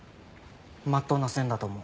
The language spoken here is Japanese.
まっとうな線だと思う。